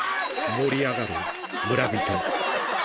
盛り上がる村人。